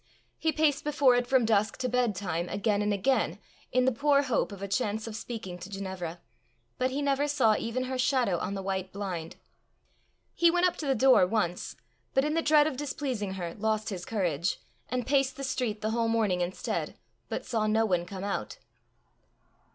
He paced before it from dusk to bedtime again and again, in the poor hope of a chance of speaking to Ginevra, but he never saw even her shadow on the white blind. He went up to the door once, but in the dread of displeasing her, lost his courage, and paced the street the whole morning instead, but saw no one come out.